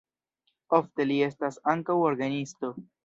Ofte li estas ankaŭ orgenisto.